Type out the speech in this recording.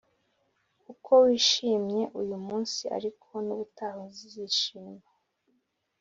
Uko wishimye uyu munsi ariko nubutaha izishima